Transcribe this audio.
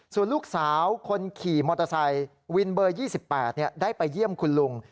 ส่วนลูกสาวคนขี่มอเตอร์ไซค์วินเบอร์๒๘ได้ไปเยี่ยมคุณลุง